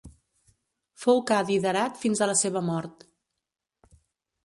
Fou cadi d'Herat fins a la seva mort.